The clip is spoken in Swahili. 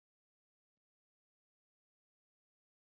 viwanda vingi sana viko marekani viko china sana zaidi